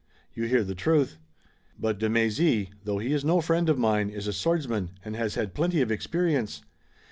"You hear the truth." "But de Mézy, though he is no friend of mine, is a swordsman, and has had plenty of experience.